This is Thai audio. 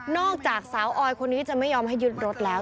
จากสาวออยคนนี้จะไม่ยอมให้ยึดรถแล้ว